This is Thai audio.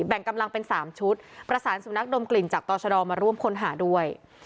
แบ่งกำลังเป็น๓ชุดประสานสุนัขดมกลิ่นจากต่อชะดอมาร่วมค้นหาด้วย